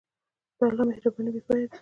د الله مهرباني بېپایه ده.